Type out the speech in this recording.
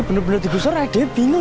ini benar benar digusur saya bingung